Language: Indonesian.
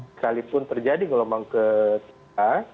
sekalipun terjadi gelombang ketiga